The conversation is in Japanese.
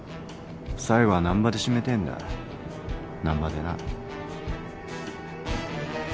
最後は難破で締めてえんだよ難破でな。